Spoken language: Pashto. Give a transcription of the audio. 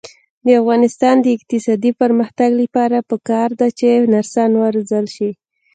د افغانستان د اقتصادي پرمختګ لپاره پکار ده چې نرسان وروزل شي.